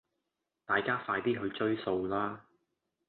大家快啲去追數啦